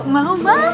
mau mau banget